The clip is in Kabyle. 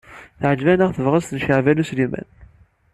Teɛjeb-aneɣ tebɣest n Caɛban U Sliman.